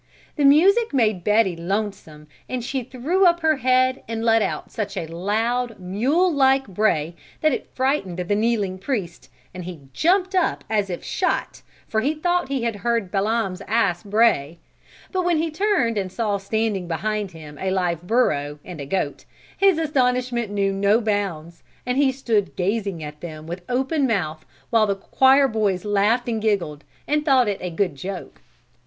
The music made Betty lonesome and she threw up her head and let out such a loud, mule like bray that it frightened the kneeling priest and he jumped up as if shot for he thought he had heard Balaam's ass bray; but when he turned and saw standing behind him a live burro and a goat, his astonishment knew no bounds and he stood gazing at them with open mouth, while the choir boys laughed and giggled and thought it a good joke.